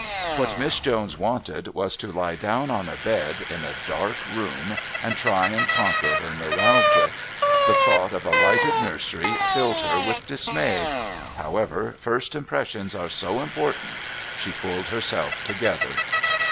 What Miss Jones wanted was to lie down on a bed in a dark room and try and conquer her neuralgia. The thought of a lighted nursery filled her with dismay. However, first impressions are so important. She pulled herself together.